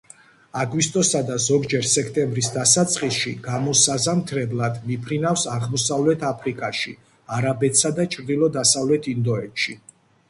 აგვისტოსა და ზოგჯერ სექტემბრის დასაწყისში გამოსაზამთრებლად მიფრინავს აღმოსავლეთ აფრიკაში, არაბეთსა და ჩრდილო-დასავლეთ ინდოეთში.